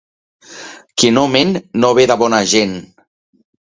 Qui no ment no ve de bona gent.